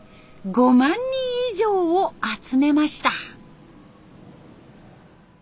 ５万人以上を集めました。